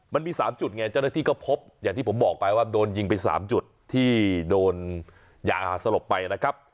มันมี๓จุดไงเจ้าหน้าที่ก็พบอย่างที่ผมบอกไปว่าโดนยิงไป๓จุดที่โดนยาสลบไปนะครับ